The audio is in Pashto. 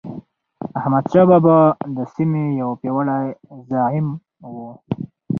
احمدشاه بابا د سیمې یو پیاوړی زعیم و.